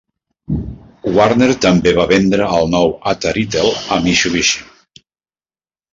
Warner també va vendre el nou Ataritel a Mitsubishi.